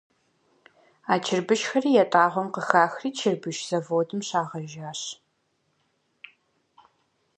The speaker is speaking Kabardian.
А чырбышхэри ятӏагъуэм къыхахри чырбыш заводым щагъэжащ.